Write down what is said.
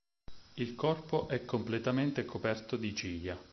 Il corpo è completamente coperto di ciglia.